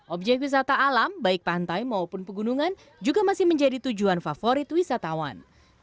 objek wisata alam baik pantai maupun pegunungan juga masih menjadi tujuan favorit wisatawan